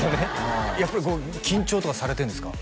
やっぱりこう緊張とかされてんですか？